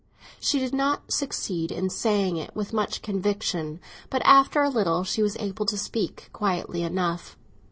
She did not succeed in saying it with much conviction, but after a little she was able to speak quietly enough.